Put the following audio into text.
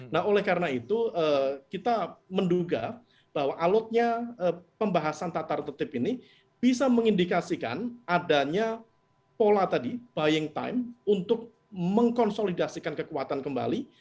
nah oleh karena itu kita menduga bahwa alutnya pembahasan tatar tertib ini bisa mengindikasikan adanya pola tadi buying time untuk mengkonsolidasikan kekuatan kembali